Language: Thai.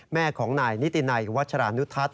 แม่ของนายนิตินัยวัชรานุทัศน